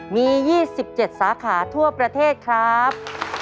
มี๒๗สาขาทั่วประเทศครับ